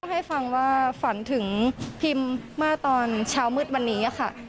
ให้ฟังว่าฝันถึงพิมเมื่อตอนเช้ามืดวันนี้ค่ะ